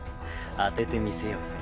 当ててみせようか。